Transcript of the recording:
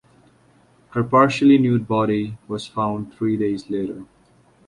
Her partially nude body was found three days later.